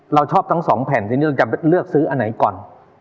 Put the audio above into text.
เราชอบทั้ง๒แผ่นอันนี้เราจำไปเลือกซื้ออันไหนก่อน